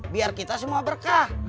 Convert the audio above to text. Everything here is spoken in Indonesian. biar kita semua berkah